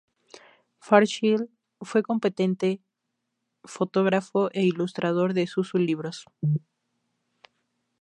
Fairchild fue un competente fotógrafo e ilustrador de susu libros.